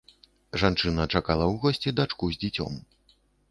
Жанчына чакала ў госці дачку з дзіцём.